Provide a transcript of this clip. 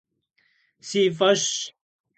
Си фӀэщщ.